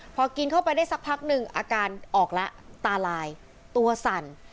พอกินเข้าไปได้สักพักหนึ่งอาการออกแล้วตาลายตัวสั่น